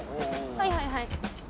はいはいはい。